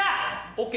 ＯＫ